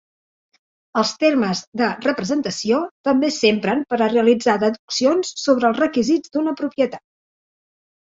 Els Termes de Representació també s'empren per a realitzar deduccions sobre els requisits d'una propietat.